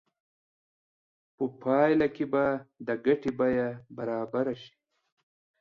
په پایله کې به د ګټې بیه برابره شي